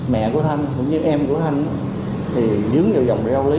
mẹ của thanh cũng như em của thanh thì dướng vào dòng đeo lý